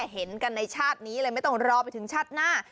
เห็นกันในชาตินี้เลยไม่ต้องรอไปถึงชาติหน้า